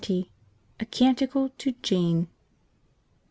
A canticle to Jane.